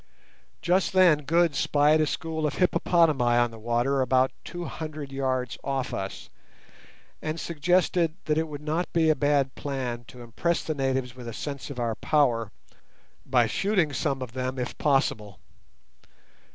Just then Good spied a school of hippopotami on the water about two hundred yards off us, and suggested that it would not be a bad plan to impress the natives with a sense of our power by shooting some of them if possible.